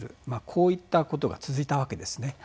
こういったことが続いたわけですね。